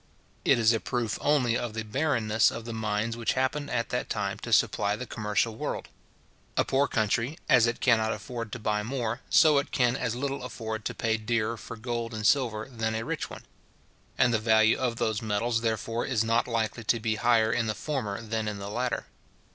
It is a proof only of the barrenness of the mines which happened at that time to supply the commercial world. A poor country, as it cannot afford to buy more, so it can as little afford to pay dearer for gold and silver than a rich one; and the value of those metals, therefore, is not likely to be higher in the former than in the latter.